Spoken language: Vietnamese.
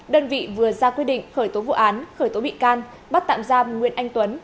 đơn vị vừa ra quyết định khởi tố vụ án khởi tố bị can bắt tạm giam nguyễn anh tuấn